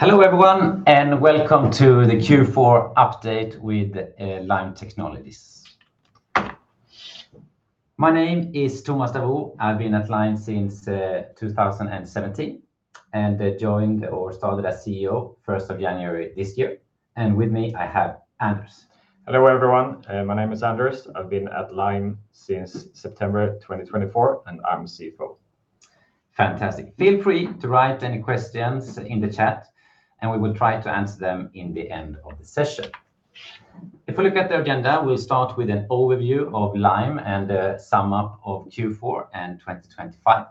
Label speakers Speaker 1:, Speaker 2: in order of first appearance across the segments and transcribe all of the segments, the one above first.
Speaker 1: Hello, everyone, and welcome to the Q4 update with Lime Technologies. My name is Tommas Davoust. I've been at Lime since 2017, and joined or started as CEO, first of January this year. With me, I have Anders.
Speaker 2: Hello, everyone. My name is Anders. I've been at Lime since September 2024, and I'm CFO.
Speaker 1: Fantastic. Feel free to write any questions in the chat, and we will try to answer them in the end of the session. If we look at the agenda, we'll start with an overview of Lime and a sum up of Q4 and 2025.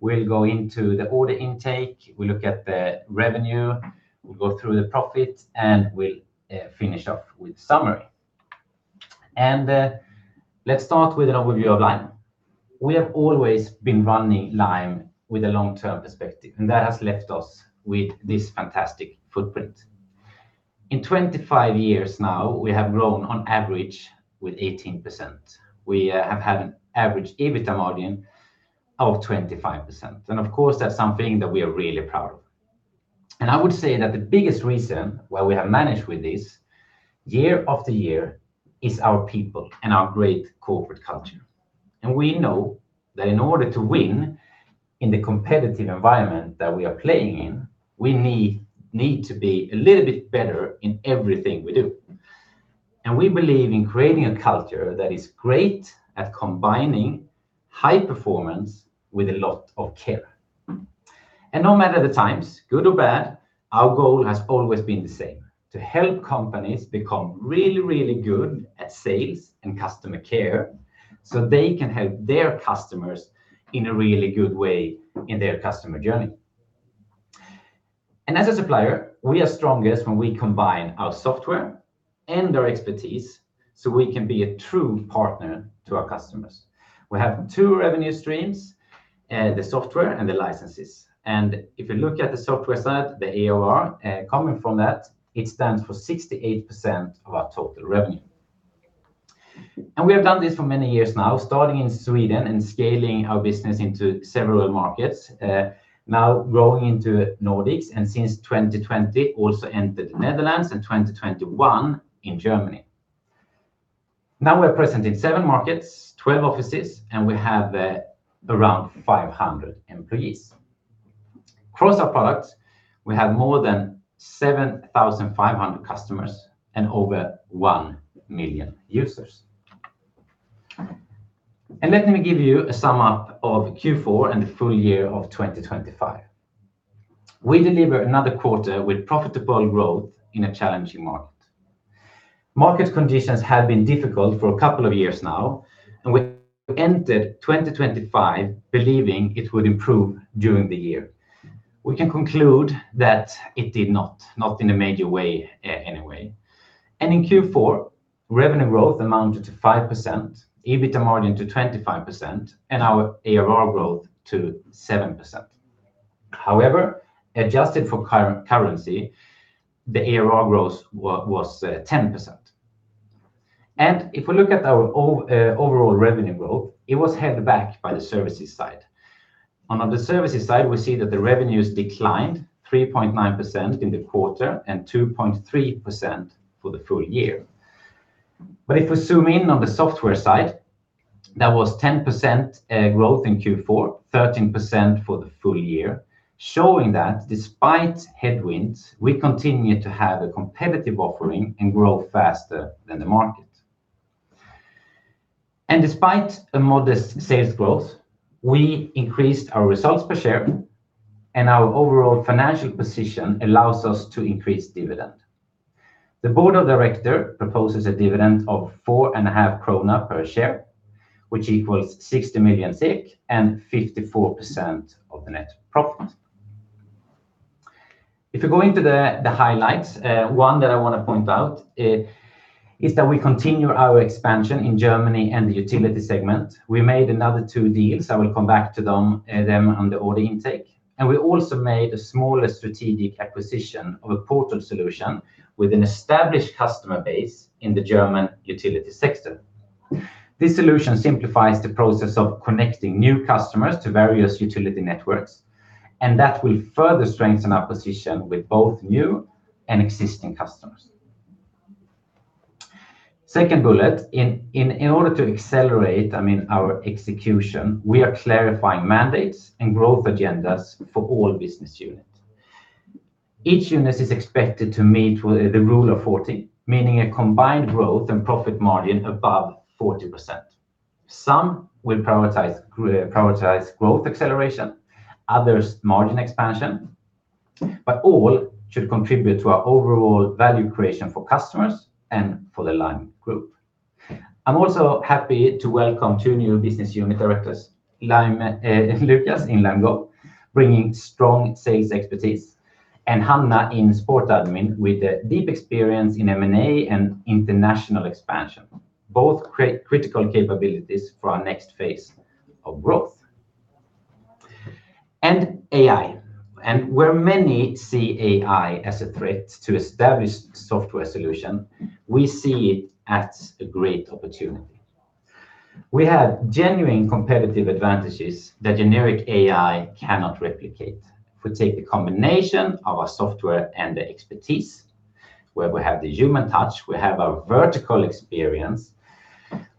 Speaker 1: We'll go into the order intake, we look at the revenue, we'll go through the profit, and we'll finish off with summary. And let's start with an overview of Lime. We have always been running Lime with a long-term perspective, and that has left us with this fantastic footprint. In 25 years now, we have grown on average with 18%. We have had an average EBITDA margin of 25%, and of course, that's something that we are really proud of. I would say that the biggest reason why we have managed with this, year after year, is our people and our great corporate culture. We know that in order to win in the competitive environment that we are playing in, we need to be a little bit better in everything we do. We believe in creating a culture that is great at combining high performance with a lot of care. No matter the times, good or bad, our goal has always been the same: to help companies become really, really good at sales and customer care, so they can help their customers in a really good way in their customer journey. As a supplier, we are strongest when we combine our software and our expertise, so we can be a true partner to our customers. We have two revenue streams, the software and the licenses. And if you look at the software side, the ARR coming from that, it stands for 68% of our total revenue. And we have done this for many years now, starting in Sweden and scaling our business into several markets, now growing into Nordics, and since 2020, also entered the Netherlands, in 2021 in Germany. Now we're present in seven markets, 12 offices, and we have, around 500 employees. Across our products, we have more than 7,500 customers and over 1 million users. And let me give you a sum up of Q4 and the full year of 2025. We deliver another quarter with profitable growth in a challenging market. Market conditions have been difficult for a couple of years now, and we ended 2025, believing it would improve during the year. We can conclude that it did not, not in a major way, anyway. In Q4, revenue growth amounted to 5%, EBITDA margin to 25%, and our ARR growth to 7%. However, adjusted for currency, the ARR growth was 10%. If we look at our overall revenue growth, it was held back by the services side. On the services side, we see that the revenues declined 3.9% in the quarter and 2.3% for the full year. But if we zoom in on the software side, that was 10% growth in Q4, 13% for the full year, showing that despite headwinds, we continue to have a competitive offering and grow faster than the market. Despite a modest sales growth, we increased our results per share, and our overall financial position allows us to increase dividend. The board of directors proposes a dividend of 4.5 krona per share, which equals 60 million and 54% of the net profit. If you go into the highlights, one that I want to point out is that we continue our expansion in Germany and the utility segment. We made another two deals, I will come back to them on the order intake. We also made a smaller strategic acquisition of a portal solution with an established customer base in the German utility sector. This solution simplifies the process of connecting new customers to various utility networks, and that will further strengthen our position with both new and existing customers. Second bullet, in order to accelerate, I mean, our execution, we are clarifying mandates and growth agendas for all business units. Each unit is expected to meet with the Rule of 40, meaning a combined growth and profit margin above 40%. Some will prioritize growth acceleration, others, margin expansion, but all should contribute to our overall value creation for customers and for the Lime Group. I'm also happy to welcome two new business unit directors, Lime, Lukas in Lime Go, bringing strong sales expertise, and Hanna in SportAdmin, with a deep experience in M&A and international expansion, both critical capabilities for our next phase of growth. And AI, and where many see AI as a threat to established software solution, we see it as a great opportunity.... We have genuine competitive advantages that generic AI cannot replicate. If we take the combination of our software and the expertise, where we have the human touch, we have our vertical experience,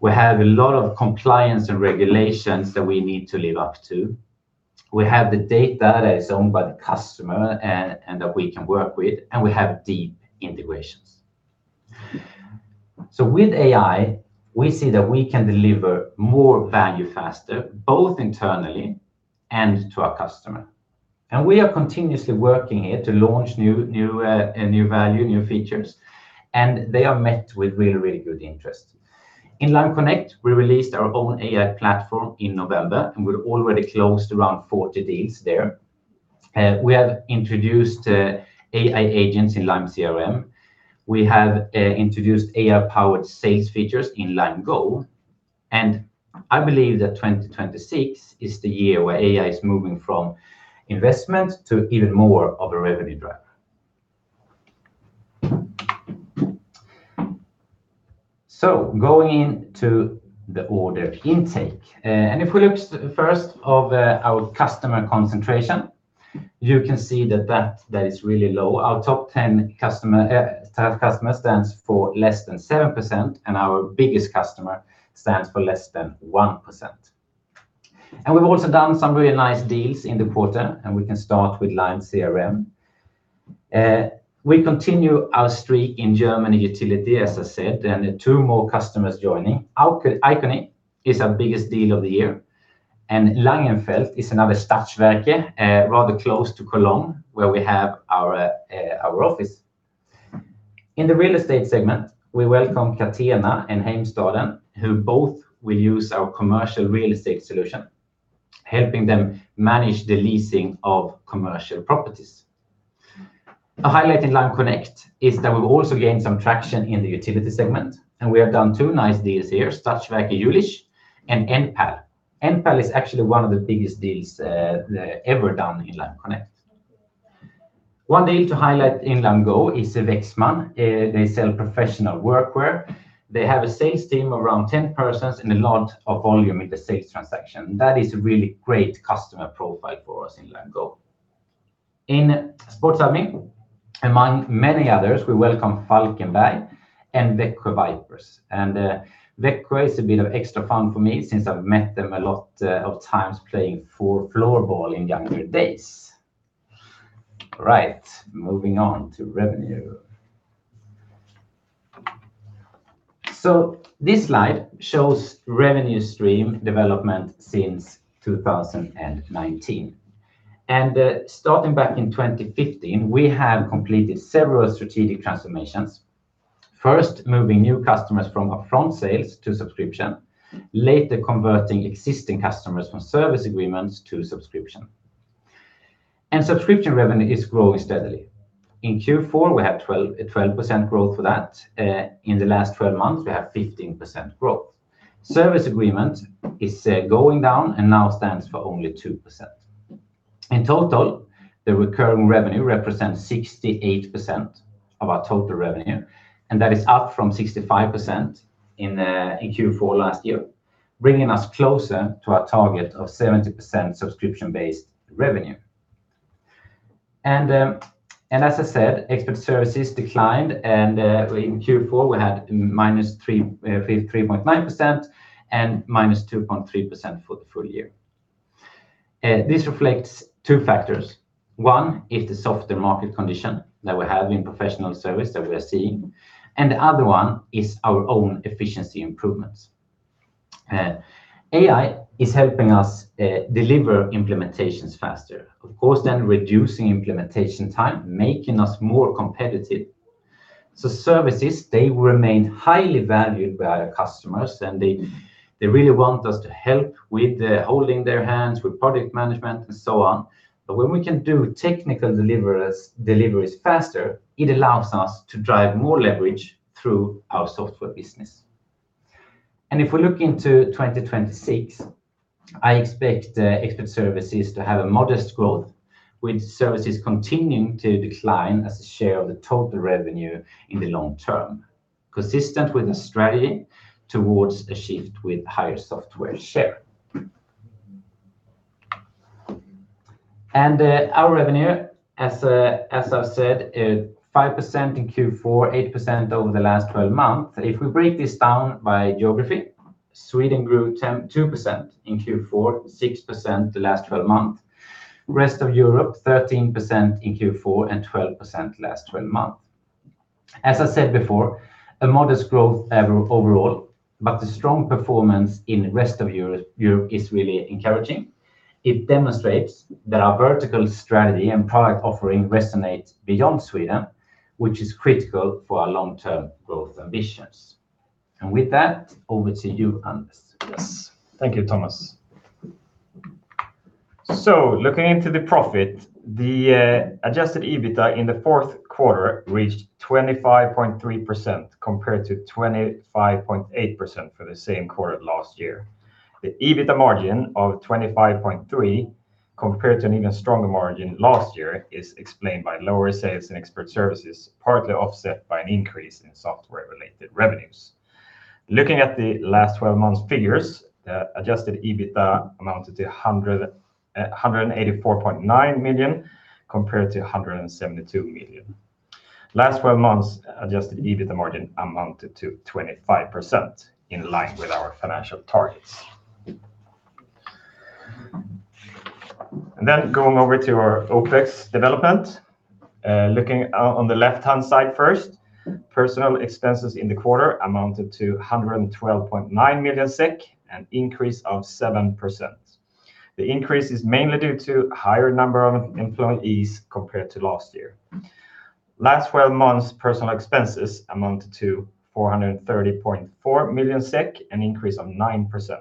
Speaker 1: we have a lot of compliance and regulations that we need to live up to. We have the data that is owned by the customer and that we can work with, and we have deep integrations. So with AI, we see that we can deliver more value faster, both internally and to our customer. We are continuously working here to launch new value and new features, and they are met with really, really good interest. In Lime Connect, we released our own AI platform in November, and we're already closed around 40 deals there. We have introduced AI agents in Lime CRM. We have introduced AI-powered sales features in Lime Go, and I believe that 2026 is the year where AI is moving from investment to even more of a revenue driver. Going into the order intake, and if we look first off our customer concentration, you can see that is really low. Our top 10 customer, top customer stands for less than 7%, and our biggest customer stands for less than 1%. We've also done some really nice deals in the quarter, and we can start with Lime CRM. We continue our streak in German utility, as I said, and two more customers joining. Iqony is our biggest deal of the year, and Langenfeld is another Stadtwerke, rather close to Cologne, where we have our office. In the real estate segment, we welcome Catena and Heimstaden, who both will use our commercial real estate solution, helping them manage the leasing of commercial properties. A highlight in Lime Connect is that we've also gained some traction in the utility segment, and we have done two nice deals here, Stadtwerke Jülich and Enpal. Enpal is actually one of the biggest deals ever done in Lime Connect. One deal to highlight in Lime Go is Wexman. They sell professional workwear. They have a sales team around 10 persons and a lot of volume in the sales transaction. That is a really great customer profile for us in Lime Go. In SportAdmin, among many others, we welcome Falkenberg and Växjö Vipers. And Växjö is a bit of extra fun for me since I've met them a lot of times playing for floorball in younger days. Right, moving on to revenue. So this slide shows revenue stream development since 2019, and starting back in 2015, we have completed several strategic transformations. First, moving new customers from upfront sales to subscription, later converting existing customers from service agreements to subscription. And subscription revenue is growing steadily. In Q4, we have 12, a 12% growth for that. In the last 12 months, we have 15% growth. Service agreement is going down and now stands for only 2%. In total, the recurring revenue represents 68% of our total revenue, and that is up from 65% in Q4 last year, bringing us closer to our target of 70% subscription-based revenue. And as I said, expert services declined, and in Q4, we had -3.9% and -2.3% for the full year. This reflects two factors. One is the softer market condition that we have in professional services that we are seeing, and the other one is our own efficiency improvements. AI is helping us deliver implementations faster, of course, then reducing implementation time, making us more competitive. So services, they remain highly valued by our customers, and they, they really want us to help with holding their hands, with product management, and so on. But when we can do technical deliveries, deliveries faster, it allows us to drive more leverage through our software business. And if we look into 2026, I expect expert services to have a modest growth, with services continuing to decline as a share of the total revenue in the long term, consistent with the strategy towards a shift with higher software share. And our revenue, as I've said, is 5% in Q4, 8% over the last 12 months. If we break this down by geography, Sweden grew 12% in Q4, 6% the last 12 months. Rest of Europe, 13% in Q4, and 12% last 12 months. As I said before, a modest growth overall, but the strong performance in the rest of Europe, Europe is really encouraging. It demonstrates that our vertical strategy and product offering resonates beyond Sweden, which is critical for our long-term growth ambitions. And with that, over to you, Anders.
Speaker 2: Yes. Thank you, Tommas. So looking into the profit, the adjusted EBITDA in the fourth quarter reached 25.3%, compared to 25.8% for the same quarter last year. The EBITDA margin of 25.3%, compared to an even stronger margin last year, is explained by lower sales and expert services, partly offset by an increase in software-related revenues. Looking at the last twelve months' figures, the adjusted EBITDA amounted to 184.9 million, compared to 172 million. Last twelve months, adjusted EBITDA margin amounted to 25%, in line with our financial targets. And then going over to our OpEx development, looking out on the left-hand side first, personnel expenses in the quarter amounted to 112.9 million SEK, an increase of 7%. The increase is mainly due to higher number of employees compared to last year. Last twelve months, personal expenses amounted to 430.4 million SEK, an increase of 9%.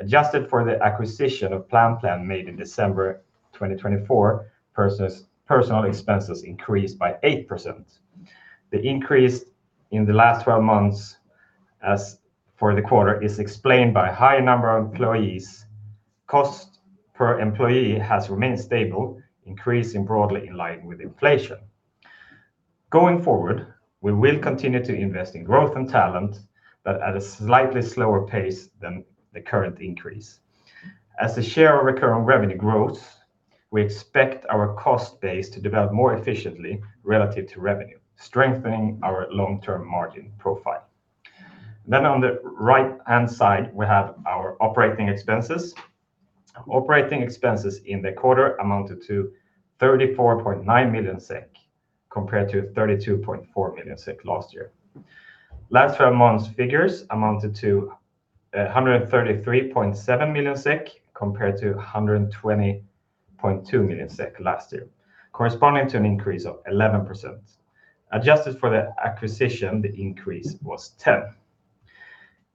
Speaker 2: Adjusted for the acquisition of Plan Plan made in December 2024, personal expenses increased by 8%. The increase in the last twelve months, as for the quarter, is explained by a higher number of employees. Cost per employee has remained stable, increasing broadly in line with inflation. Going forward, we will continue to invest in growth and talent, but at a slightly slower pace than the current increase. As the share of recurring revenue grows, we expect our cost base to develop more efficiently relative to revenue, strengthening our long-term margin profile. Then on the right-hand side, we have our operating expenses. Operating expenses in the quarter amounted to 34.9 million SEK, compared to 32.4 million SEK last year. Last twelve months' figures amounted to 133.7 million SEK, compared to 120.2 million SEK last year, corresponding to an increase of 11%. Adjusted for the acquisition, the increase was 10.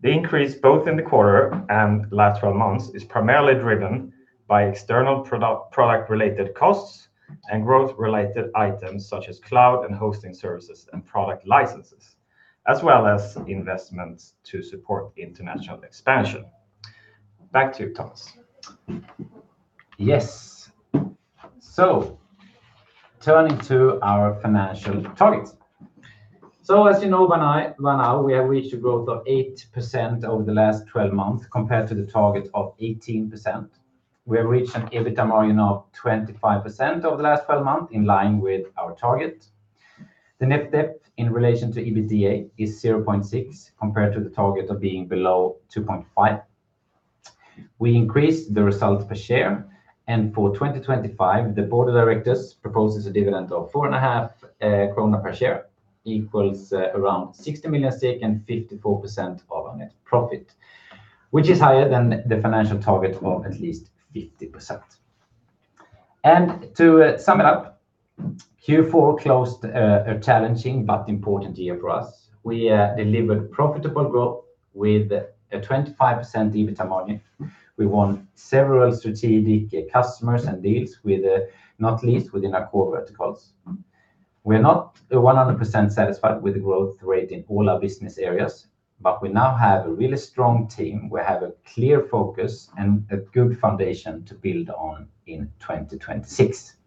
Speaker 2: The increase, both in the quarter and last twelve months, is primarily driven by external product, product-related costs and growth-related items such as cloud and hosting services and product licenses, as well as investments to support international expansion. Back to you, Tommas.
Speaker 1: Yes. So turning to our financial targets. So as you know, by now, we have reached a growth of 8% over the last 12 months compared to the target of 18%. We have reached an EBITDA margin of 25% over the last 12 months, in line with our target. The net debt in relation to EBITDA is 0.6, compared to the target of being below 2.5. We increased the result per share, and for 2025, the board of directors proposes a dividend of 4.5 krona per share, equals around 60 million, and 54% of our net profit, which is higher than the financial target of at least 50%. And to sum it up, Q4 closed a challenging but important year for us. We delivered profitable growth with a 25% EBITDA margin. We won several strategic customers and deals with, not least within our core verticals. We're not 100% satisfied with the growth rate in all our business areas, but we now have a really strong team. We have a clear focus and a good foundation to build on in 2026.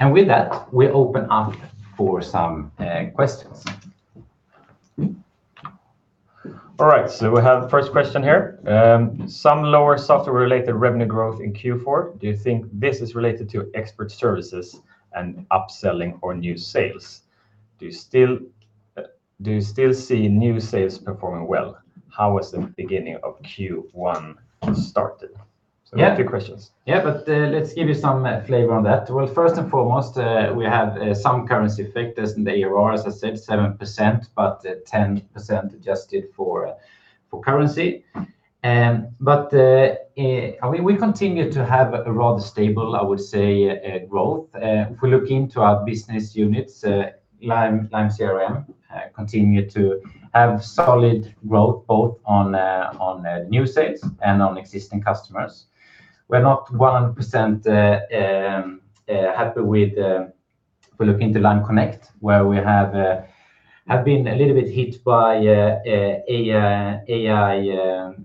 Speaker 1: And with that, we open up for some questions.
Speaker 2: All right, so we have the first question here. Some lower software-related revenue growth in Q4. Do you think this is related to expert services and upselling or new sales? Do you still, do you still see new sales performing well? How was the beginning of Q1 started? So two questions.
Speaker 1: Yeah, but let's give you some flavor on that. Well, first and foremost, we have some currency effect as in the AR, as I said, 7%, but 10% adjusted for currency. But I mean, we continue to have a rather stable, I would say, growth. If we look into our business units, Lime CRM continue to have solid growth both on new sales and on existing customers. We're not 100% happy with, we look into Lime Connect, where we have been a little bit hit by AI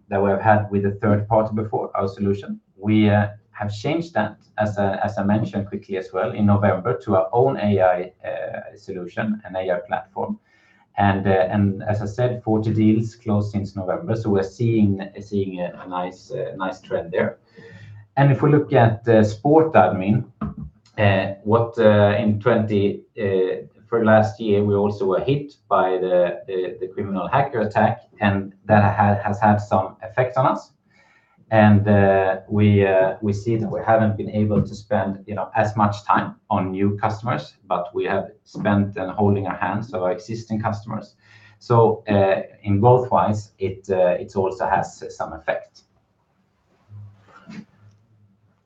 Speaker 1: that we have had with a third party before our solution. We have changed that, as I mentioned, quickly as well in November to our own AI solution and AI platform. And as I said, 40 deals closed since November, so we're seeing a nice trend there. And if we look at SportAdmin, what in 2024 last year, we also were hit by the criminal hacker attack, and that has had some effect on us. And we see that we haven't been able to spend, you know, as much time on new customers, but we have spent and holding our hands of our existing customers. So, in growth-wise, it also has some effect.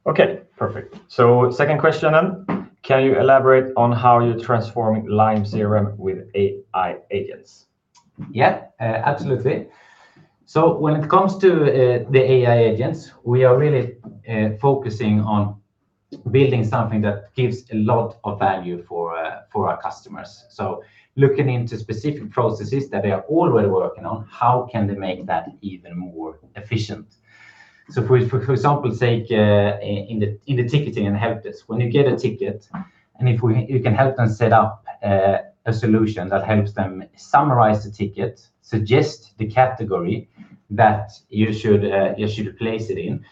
Speaker 2: Okay, perfect. So second question then: Can you elaborate on how you're transforming Lime CRM with AI agents?
Speaker 1: Yeah, absolutely. So when it comes to, the AI agents, we are really, focusing on building something that gives a lot of value for, for our customers. So looking into specific processes that they are already working on, how can they make that even more efficient? So for example sake, in the ticketing and helpdesk, when you get a ticket, you can help them set up, a solution that helps them summarize the ticket, suggest the category that you should place it in,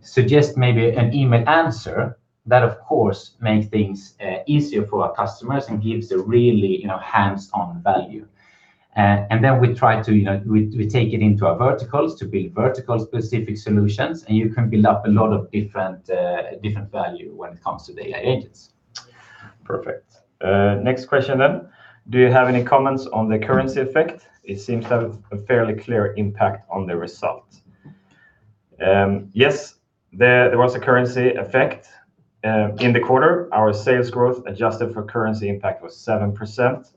Speaker 1: suggest maybe an email answer, that, of course, makes things, easier for our customers and gives a really, you know, hands-on value. And then we try to, you know, we take it into our verticals to build vertical-specific solutions, and you can build up a lot of different, different value when it comes to the AI agents.
Speaker 2: Perfect. Next question then: Do you have any comments on the currency effect? It seems to have a fairly clear impact on the result. Yes, there was a currency effect in the quarter. Our sales growth, adjusted for currency impact, was 7%,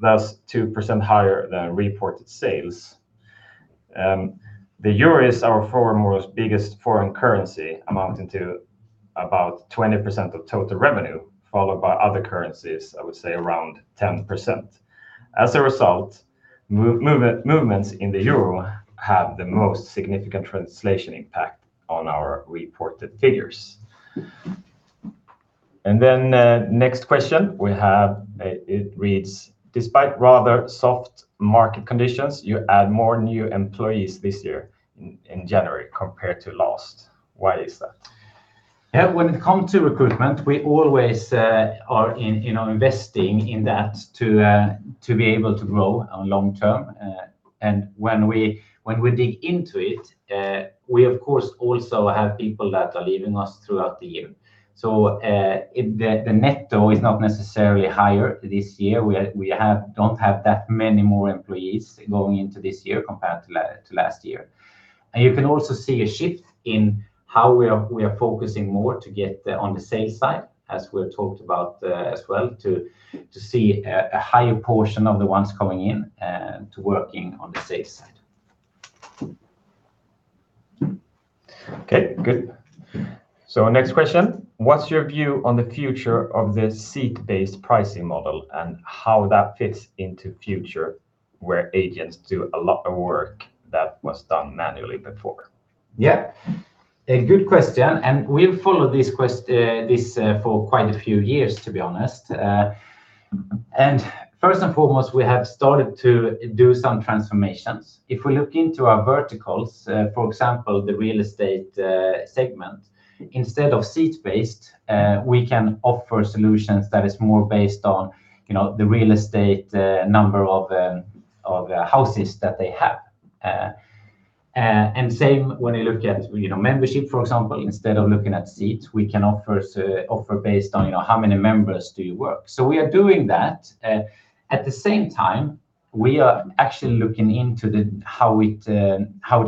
Speaker 2: thus 2% higher than reported sales. The euro is our biggest foreign currency, amounting to about 20% of total revenue, followed by other currencies, I would say around 10%. As a result, movements in the euro have the most significant translation impact on our reported figures. And then, next question we have, it reads: Despite rather soft market conditions, you add more new employees this year in January compared to last. Why is that?
Speaker 1: Yeah, when it come to recruitment, we always are in, you know, investing in that to be able to grow on long term. And when we dig into it, we, of course, also have people that are leaving us throughout the year. So, the net, though, is not necessarily higher this year. We don't have that many more employees going into this year compared to last year. And you can also see a shift in how we are focusing more to get on the sales side, as we have talked about, as well, to see a higher portion of the ones coming in to working on the sales side.
Speaker 2: Okay, good. So next question: What's your view on the future of the seat-based pricing model and how that fits into future, where agents do a lot of work that was done manually before?
Speaker 1: Yeah, a good question, and we've followed this question for quite a few years, to be honest. And first and foremost, we have started to do some transformations. If we look into our verticals, for example, the real estate segment, instead of seat-based, we can offer solutions that is more based on, you know, the real estate number of houses that they have. And same when you look at, you know, membership, for example. Instead of looking at seats, we can offer based on, you know, how many members do you work? So we are doing that. At the same time, we are actually looking into how it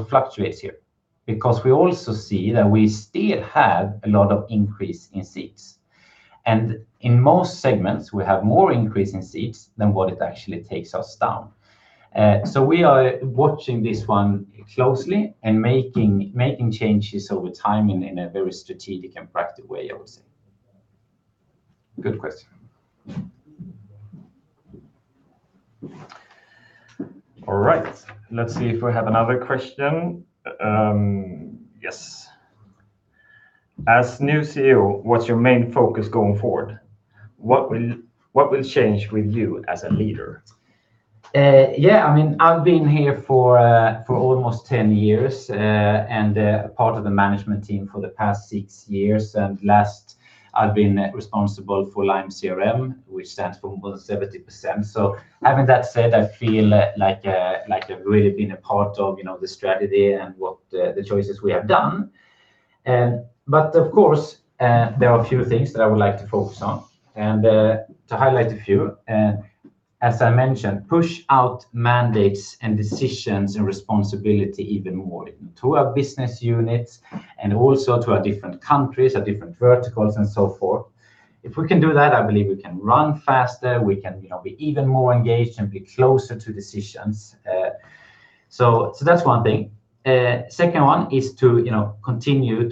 Speaker 1: fluctuates here, because we also see that we still have a lot of increase in seats. In most segments, we have more increase in seats than what it actually takes us down. So we are watching this one closely and making changes over time in a very strategic and practical way, I would say. Good question.
Speaker 2: All right, let's see if we have another question. Yes. As new CEO, what's your main focus going forward? What will change with you as a leader?
Speaker 1: Yeah, I mean, I've been here for, for almost 10 years, and, part of the management team for the past 6 years. And last, I've been responsible for Lime CRM, which stands for more than 70%. So having that said, I feel like, like I've really been a part of, you know, the strategy and what, the choices we have done. But of course, there are a few things that I would like to focus on, and, to highlight a few, as I mentioned, push out mandates and decisions and responsibility even more to our business units and also to our different countries, our different verticals, and so forth. If we can do that, I believe we can run faster, we can, you know, be even more engaged and be closer to decisions. So, so that's one thing. Second one is to, you know, continue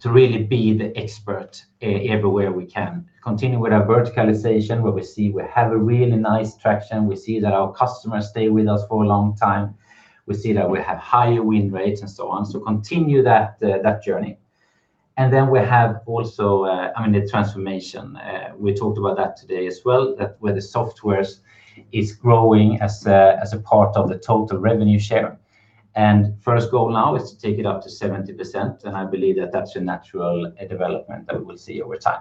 Speaker 1: to really be the expert everywhere we can. Continue with our verticalization, where we see we have a really nice traction, we see that our customers stay with us for a long time, we see that we have higher win rates and so on. So continue that, that journey. And then we have also, I mean, the transformation. We talked about that today as well, that where the softwares is growing as a, as a part of the total revenue share. And first goal now is to take it up to 70%, and I believe that that's a natural, development that we will see over time.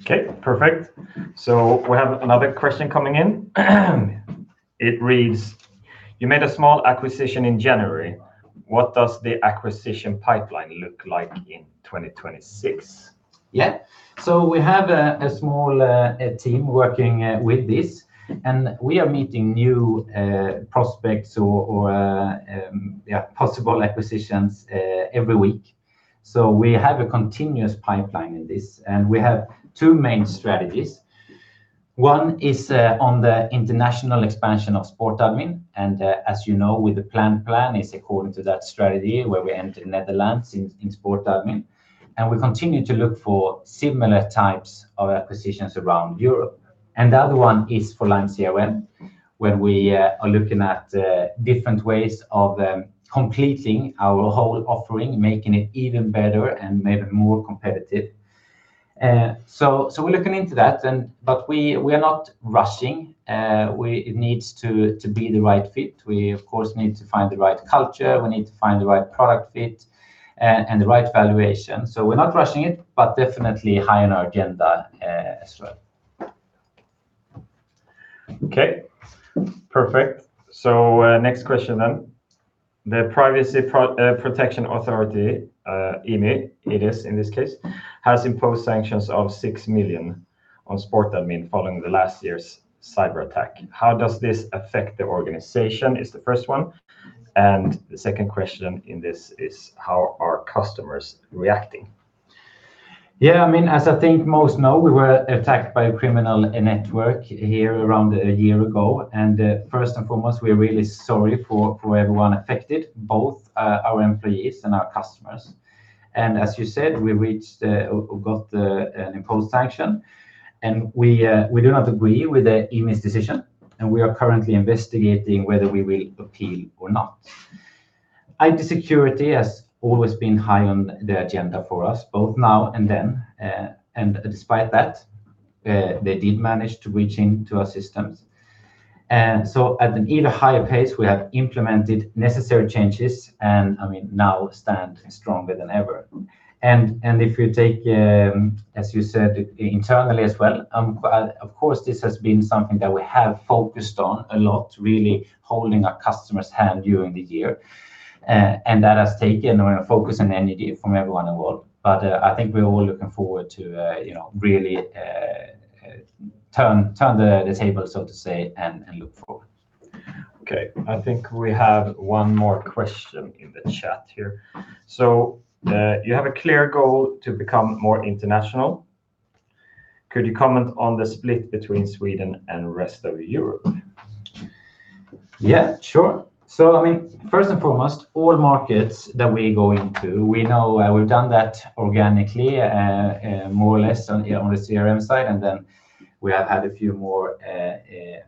Speaker 2: Okay, perfect. So we have another question coming in. It reads: You made a small acquisition in January. What does the acquisition pipeline look like in 2026?
Speaker 1: Yeah. So we have a small team working with this, and we are meeting new prospects or possible acquisitions every week. So we have a continuous pipeline in this, and we have two main strategies. One is on the international expansion of SportAdmin, and as you know, with the Plan Plan is according to that strategy, where we enter Netherlands in SportAdmin, and we continue to look for similar types of acquisitions around Europe. And the other one is for Lime CRM, where we are looking at different ways of completing our whole offering, making it even better and make it more competitive. So we're looking into that, and but we are not rushing. It needs to be the right fit. We, of course, need to find the right culture, we need to find the right product fit, and the right valuation. So we're not rushing it, but definitely high on our agenda, as well.
Speaker 2: Okay, perfect. So, next question then. The Privacy Protection Authority, IMY, it is in this case, has imposed sanctions of 6 million on SportAdmin following last year's cyberattack. How does this affect the organization? Is the first one, and the second question in this is, how are customers reacting?
Speaker 1: Yeah, I mean, as I think most know, we were attacked by a criminal network here around a year ago, and, first and foremost, we are really sorry for everyone affected, both our employees and our customers. And as you said, we reached, or got, an imposed sanction, and we, we do not agree with the IMY's decision, and we are currently investigating whether we will appeal or not. IT security has always been high on the agenda for us, both now and then, and despite that, they did manage to breach into our systems. And so at an even higher pace, we have implemented necessary changes, and, I mean, now stand stronger than ever. If you take, as you said, internally as well, of course, this has been something that we have focused on a lot, really holding our customer's hand during the year, and that has taken a lot of focus and energy from everyone involved. I think we're all looking forward to, you know, really turn the table, so to say, and look forward.
Speaker 2: Okay, I think we have one more question in the chat here. So, you have a clear goal to become more international. Could you comment on the split between Sweden and rest of Europe?
Speaker 1: Yeah, sure. So, I mean, first and foremost, all markets that we go into, we know, and we've done that organically, more or less on, on the CRM side, and then we have had a few more,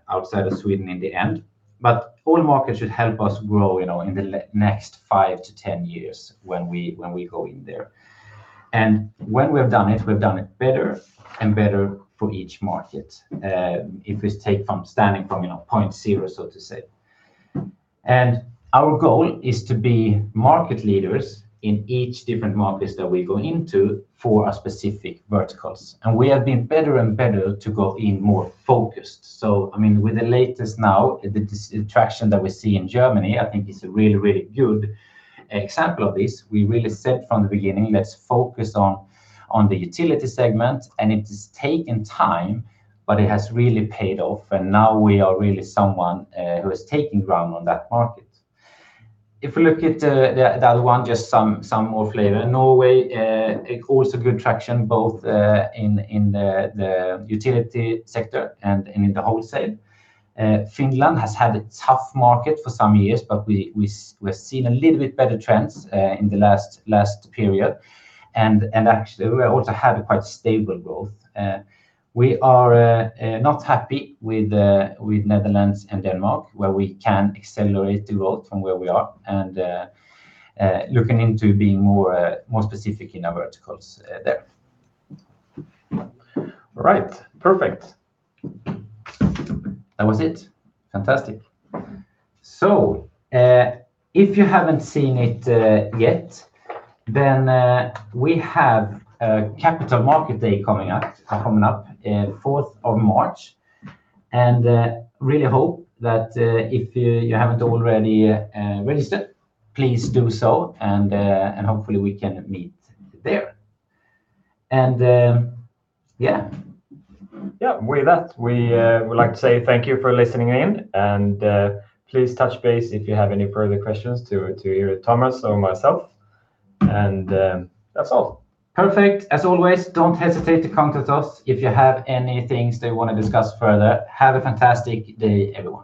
Speaker 1: outside of Sweden in the end. But all markets should help us grow, you know, in the next 5-10 years when we, when we go in there. And when we've done it, we've done it better and better for each market, if we take from starting from, you know, point zero, so to say. And our goal is to be market leaders in each different markets that we go into for our specific verticals, and we have been better and better to go in more focused. So, I mean, with the latest now, this traction that we see in Germany, I think is a really, really good example of this. We really said from the beginning, "Let's focus on the utility segment," and it has taken time, but it has really paid off, and now we are really someone who is taking ground on that market. If we look at the other one, just some more flavor. Norway, it also good traction, both in the utility sector and in the wholesale. Finland has had a tough market for some years, but we, we've seen a little bit better trends in the last period, and actually, we also had a quite stable growth. We are not happy with Netherlands and Denmark, where we can accelerate the growth from where we are and looking into being more specific in our verticals there.
Speaker 2: All right. Perfect.
Speaker 1: That was it? Fantastic. So, if you haven't seen it yet, then we have a Capital Market Day coming up, coming up on March 4th, and really hope that if you haven't already registered, please do so, and hopefully we can meet there. And yeah.
Speaker 2: Yeah, with that, we would like to say thank you for listening in, and please touch base if you have any further questions to either Tommas or myself, and that's all.
Speaker 1: Perfect. As always, don't hesitate to contact us if you have anything that you want to discuss further. Have a fantastic day, everyone.